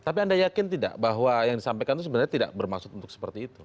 tapi anda yakin tidak bahwa yang disampaikan itu sebenarnya tidak bermaksud untuk seperti itu